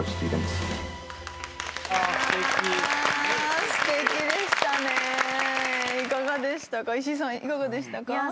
いかがでしたか？